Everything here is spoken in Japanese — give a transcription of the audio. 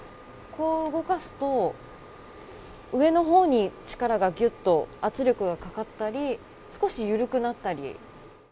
こう動かすと上のほうに力がギュッと、圧力がかかったり、少しゆるくなったり。